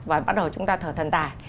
và bắt đầu chúng ta thờ thần tài